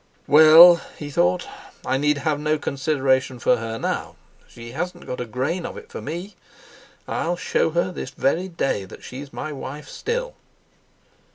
"Well," he thought, "I need have no consideration for her now; she has not a grain of it for me. I'll show her this very day that she's my wife still."